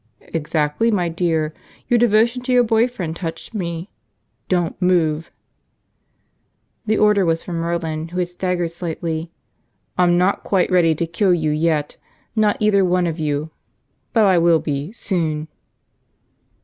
"Exactly, my dear. Your devotion to your boy friend touched me – don't move!" The order was for Merlin, who had staggered slightly. "I'm not quite ready to kill you yet, not either one of you. But I will be, soon."